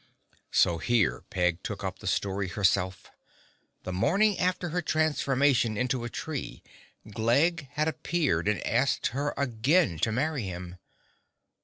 So here Peg took up the story herself. The morning after her transformation into a tree Glegg had appeared and asked her again to marry him.